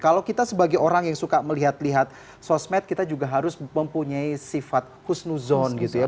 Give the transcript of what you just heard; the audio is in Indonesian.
kalau kita sebagai orang yang suka melihat lihat sosmed kita juga harus mempunyai sifat kusnuzon gitu ya